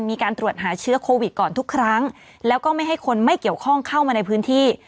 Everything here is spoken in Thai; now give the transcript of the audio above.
มีการตรวจหาเชื้อโควิดก่อนทุกครั้งแล้วก็ไม่ให้คนไม่เกี่ยวข้องเข้ามาในพื้นที่